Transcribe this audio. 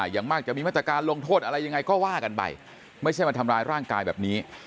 อย่างมากจะมีมาตรการลงโทษอะไรยังไงก็ว่ากันไปไม่ใช่มาทำร้ายร่างกายแบบนี้